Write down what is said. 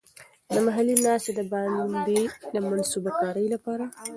د محلي د ناستې د باندې د منصوبه کارۍ لپاره.